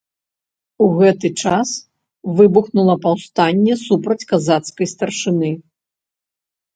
У гэты час выбухнула паўстанне супраць казацкай старшыны.